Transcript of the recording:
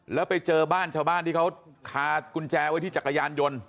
แล้วไปเจอบ้านชาวบ้านที่เขาคากุญแจไว้ที่จักรยานยนต์